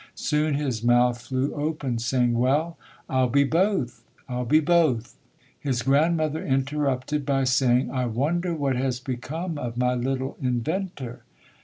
Soon his mouth flew open saying, "Well, I'll be both, I'll be both!" His grandmother interrupted by saying, "I wonder what has become of my little inventor?